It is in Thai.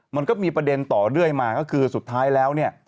มันก็มีประเด็นต่อเนื่องมาก็คือสุดท้ายแล้วเนี่ย